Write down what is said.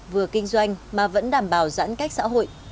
vừa kinh doanh mà vẫn đảm bảo giãn cách xã hội